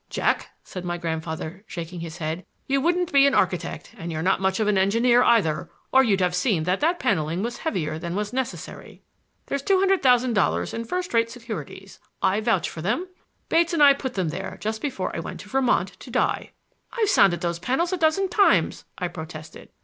"Jack," said my grandfather, shaking his head, "you wouldn't be an architect, and you're not much of an engineer either, or you'd have seen that that paneling was heavier than was necessary. There's two hundred thousand dollars in first rate securities—I vouch for them! Bates and I put them there just before I went to Vermont to die." "I've sounded those panels a dozen times," I protested.